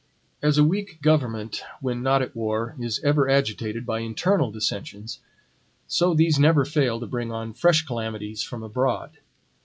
As a weak government, when not at war, is ever agitated by internal dissentions, so these never fail to bring on fresh calamities from abroad.